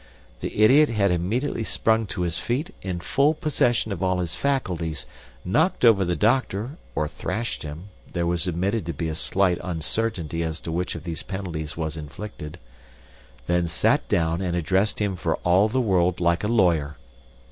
The idiot had immediately sprung to his feet, in full possession of all his faculties, knocked over the doctor or thrashed him (there was admitted to be a slight uncertainty as to which of these penalties was inflicted), then sat down and addressed him for all the world like a lawyer.